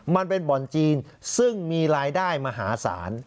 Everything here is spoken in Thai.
มันเป็นบ่อนจีนซึ่งมีรายได้มหาศาล